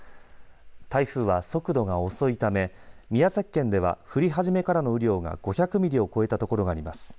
台風は速度が遅いため宮崎県では降り始めからの雨量が５００ミリを超えたところがあります。